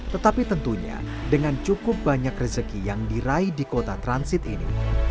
tetapi tentunya dengan cukup banyak rezeki yang diraih di kota transit ini